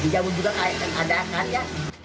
di jambu juga ada kan ya